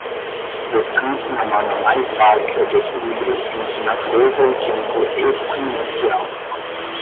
Descanse na norma mais básica de equilíbrio entre natureza e tempo equinocial.